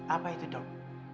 apa itu dok